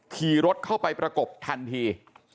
ขี่รถเข้าไปประกบทันที